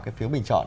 cái phiếu bình chọn